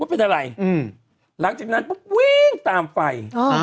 เป็นอะไรหลังจากนั้นปุ๊บวิ่งตามไฟ